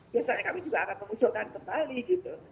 biasanya kami juga akan mengusulkan kembali gitu